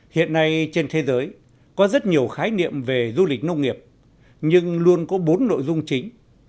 hiện nay trên thế giới có rất nhiều khái niệm về du lịch nông nghiệp nhưng luôn có bốn nội dung chính